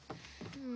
うん。